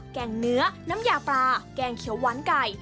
แกงเนื้อน้ำยาปลาแกงเขียวหวานไก่